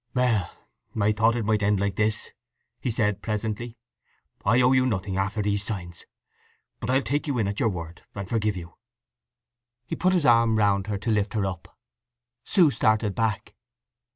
"Well, I thought it might end like this," he said presently. "I owe you nothing, after these signs; but I'll take you in at your word, and forgive you." He put his arm round her to lift her up. Sue started back.